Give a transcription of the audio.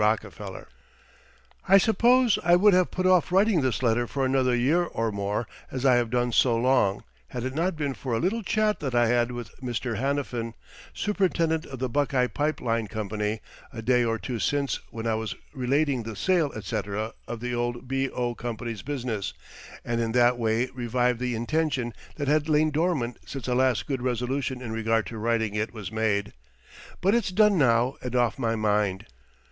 Rockefeller. I suppose I would have put off writing this letter for another year or more as I have done so long, had it not been for a little chat that I had with Mr. Hanafin, Superintendent of the Buckeye Pipe Line Company, a day or two since when I was relating the sale, etc., of the old B.O. Co.'s business, and in that way revived the intention that had lain dormant since the last good resolution in regard to writing it was made. But it's done now, and off my mind.